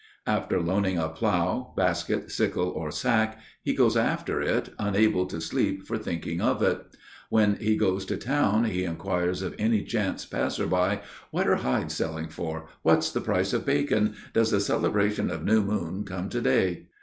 After loaning a plough, basket, sickle, or sack, he goes after it, unable to sleep for thinking of it. When he goes to town he inquires of any chance passer by: "What are hides selling for? What's the price of bacon? Does the celebration of New Moon come to day?"